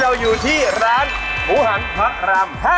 เราอยู่ที่ร้านหมูหันภรรม๕